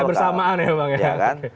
secara bersamaan ya bang